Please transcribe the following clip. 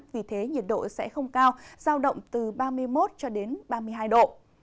vì thế nhiệt độ sẽ không cao giao động từ ba mươi một ba mươi hai độ